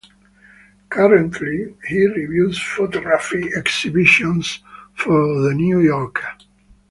Currently, he reviews photography exhibitions for The New Yorker.